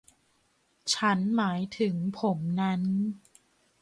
ฉันหมายถึงผมนั้น